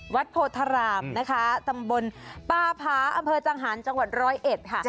โพธารามนะคะตำบลปาผาอำเภอจังหารจังหวัดร้อยเอ็ดค่ะ